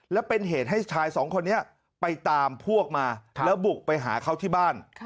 และเป็นเหตุให้ชายสองคนนี้ไปตามพวกมาแล้วบุกไปหาเขาที่บ้าน